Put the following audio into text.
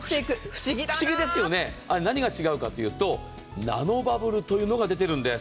何が違うかというとナノバブルというのが出ているんです。